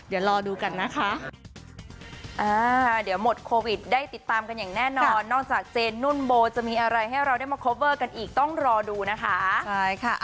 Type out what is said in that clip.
ยังไงก็เดี๋ยวรอดูกันนะคะ